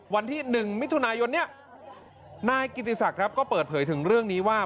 วันที่๑มิถุนายนเนี่ยนายกิติศักดิ์ครับก็เปิดเผยถึงเรื่องนี้ว่า